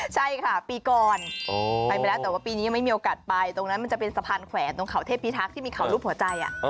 ใช่ค่ะปีก่อนไปไปแล้วแต่ว่าปีนี้ยังไม่มีโอกาสไปตรงนั้นมันจะเป็นสะพานแขวนตรงเขาเทพิทักษ์ที่มีเขารูปหัวใจ